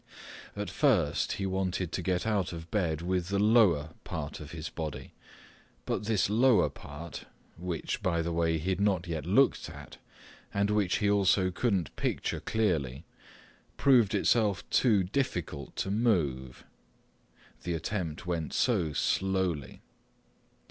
At first he wanted to get out of bed with the lower part of his body, but this lower part—which, by the way, he had not yet looked at and which he also couldn't picture clearly—proved itself too difficult to move. The attempt went so slowly.